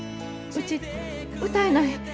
うち歌えない。